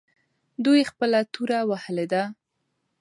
دوی خپله توره وهلې ده.